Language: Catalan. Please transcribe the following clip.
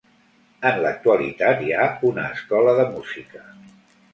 En l'actualitat hi ha una escola de música.